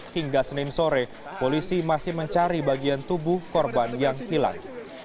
hingga senin sore polisi masih mencari bagian tubuh korban yang hilang